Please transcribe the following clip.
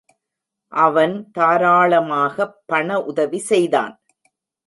அவன் தாராளாமாகப் பண உதவி செய்தான்.